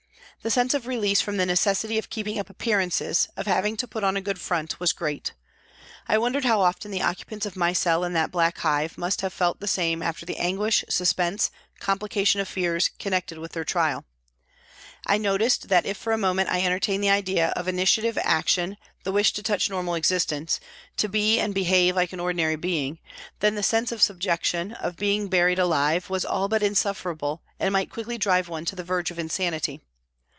The sense of release from the necessity of keeping up appearances, of having to put on a good front, was great. I wondered how often the occupants of my cell in that black hive must have felt the same after the anguish, suspense, complication of fears, connected with their trial. I noticed that if for a moment I entertained the idea of initiative, action, the wish to touch normal existence, to be and behave like an ordinary being, POLICE COURT TRIAL 67 then the sense of subjection, of being buried alive was all but insufferable and might quickly drive one to the verge of insanity.